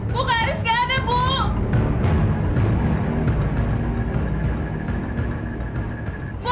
bu karis gak ada bu